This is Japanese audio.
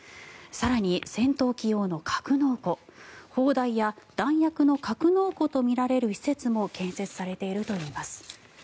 更に戦闘機用の格納庫、砲台や弾薬の格納庫とみられる施設も建設されているといいます。